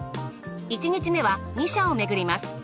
１日目は２社をめぐります。